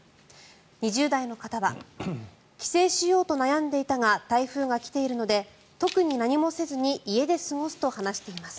２０代の方は帰省しようと悩んでいたが台風が来ているので特に何もせずに家で過ごすと話しています。